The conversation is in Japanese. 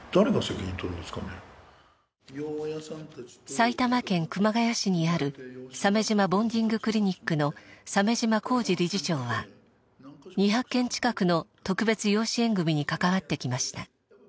埼玉県熊谷市にあるさめじまボンディングクリニックの鮫島浩二理事長は２００件近くの特別養子縁組に関わってきました。